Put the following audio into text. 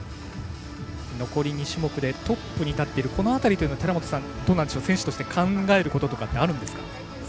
残り２種目でトップに立っているこの辺りというのは寺本さん、選手として考えることはあるんですか？